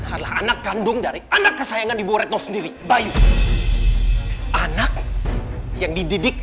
adalah anak kandung dari anak kesayangan di buretno sendiri baik anak yang dididik